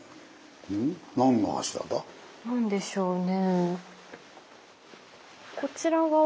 何でしょうね？